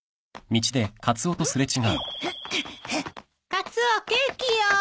カツオケーキよ！